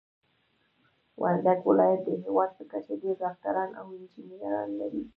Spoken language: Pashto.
وردګ ولايت د هيواد په کچه ډير ډاکټران او انجنيران لري.